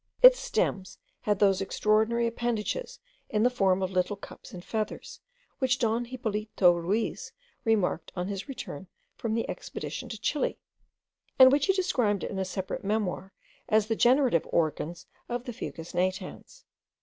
Its stems had those extraordinary appendages in the form of little cups and feathers, which Don Hippolyto Ruiz remarked on his return from the expedition to Chile, and which he described in a separate memoir as the generative organs of the Fucus natans.